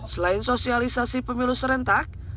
selain sosialisasi pemilu serentak